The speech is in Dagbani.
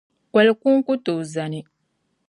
Koli’ kuŋ ku tooi zani.